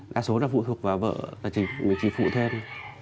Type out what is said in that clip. đa số đồng hành là không làm ăn được bao nhiêu